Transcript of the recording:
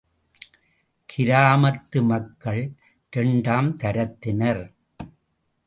கிராமத்து மக்கள் இரண்டாம் தரத்தினர்!